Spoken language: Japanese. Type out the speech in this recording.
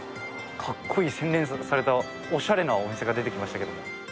かっこいい洗練されたおしゃれなお店が出てきましたけども。